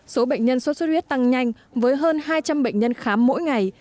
số bệnh nhân sốt xuất huyết tăng nhanh với hơn hai trăm linh bệnh nhân khám mỗi ngày